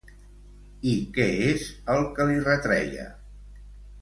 I què és el que li retreia?